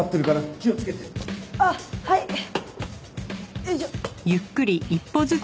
よいしょ。